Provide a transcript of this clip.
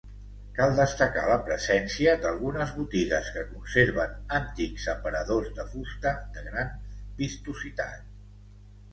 Cal destacar la presència d'algunes botigues que conserven antics aparadors de fusta de gran vistositat.